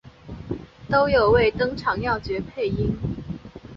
都有为登场要角配音。